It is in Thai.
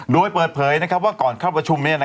โดยเปิดเผยว่าก่อนเข้าประชุม